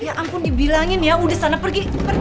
ya ampun dibilangin ya udah sana pergi